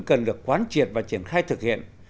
cần được quán triệt và triển khai thực hiện